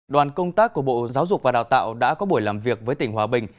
đoàn công tác của bộ giáo dục và đào tạo đã có buổi làm việc với tỉnh hòa bình